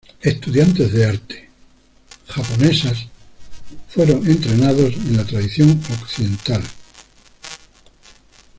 Estudiantes de arte japonesas fueron entrenados en la tradición occidental.